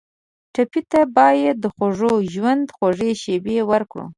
ټپي ته باید د خوږ ژوند خوږې شېبې ورکړو.